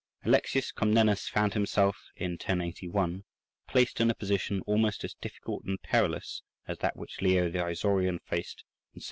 Alexius Comnenus found himself, in 1081, placed in a position almost as difficult and perilous as that which Leo the Isaurian faced in 716.